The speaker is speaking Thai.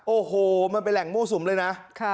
โอ้โหมันเป็นแหล่งมั่วสุมเลยนะ